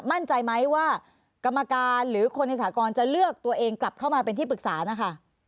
มั่นใจไหมว่ากรรมการหรือคนในสากรจะเลือกตัวเองกลับเข้ามาเป็นที่ปรึกษานะคะ